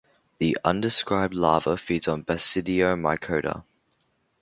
The undescribed larva feeds on Basidiomycota.